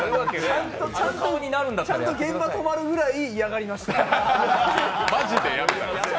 ちゃんと現場止まるぐらい嫌がりました。